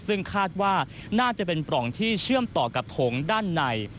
ซึ่งคาดว่าน่าจะเป็นปล่องที่เชื่อมต่อกับโถงด้านใน